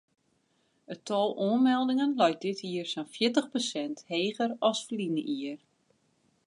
It tal oanmeldingen leit dit jier sa'n fjirtich prosint heger as ferline jier.